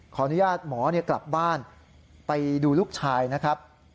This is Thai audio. ขออนุญาตหมอกลับบ้านไปดูลูกชายนะครับ